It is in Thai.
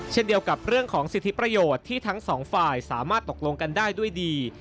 เช่นเดียวกับเรื่องของสิทธิประโยชน์ที่ทั้งสองฝ่ายสามารถตกลงกันได้ด้วยดี